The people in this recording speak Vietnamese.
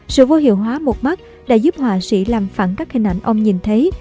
sự vô hiệu hóa một mắt đã giúp họa sĩ làm phẳng các hình ảnh ông nhìn thấy